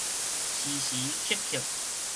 時時刻刻